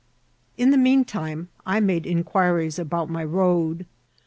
In the mean time I made inquiries about my road.